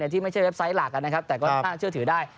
ที่ไม่ใช่เว็บไซต์หลักนะครับแต่ก็น่าเชื่อถือได้